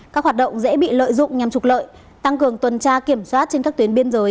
các hoạt động dễ bị lợi dụng nhằm trục lợi tăng cường tuần tra kiểm soát trên các tuyến biên giới